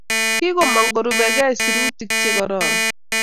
Kikomoong' korupegei sirutiik che kororon.